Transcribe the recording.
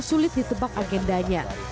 sulit ditebak agendanya